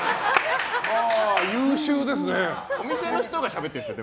優秀ですね。